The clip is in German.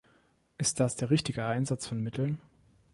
Ist das der richtige Einsatz von Mitteln?